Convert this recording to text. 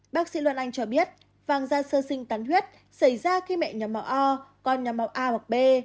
bác sĩ loan anh cho biết vàng da sơ sinh tán huyết xảy ra khi mẹ nhà máu o con nhà máu a hoặc b